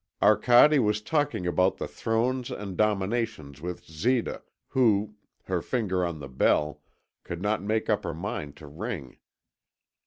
Arcade was talking about the Thrones and Dominations with Zita, who, her finger on the bell, could not make up her mind to ring.